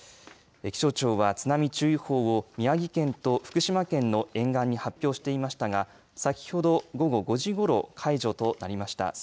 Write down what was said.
気象庁は津波注意報を宮城県と福島県の沿岸に発表していましたが先ほど午前５時ごろ解除となりました。